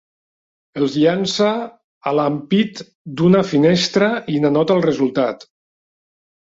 Els llança a l'ampit d'una finestra i n'anota el resultat.